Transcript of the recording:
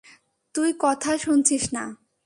তুই কথা শুনছিস না।